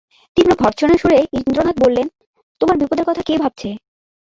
তীব্র ভর্ৎসনার সুরে ইন্দ্রনাথ বললেন, তোমার বিপদের কথা কে ভাবছে?